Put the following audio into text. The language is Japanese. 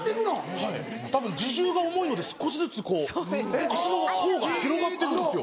はいたぶん自重が重いので少しずつこう足の甲が広がって行くんですよ。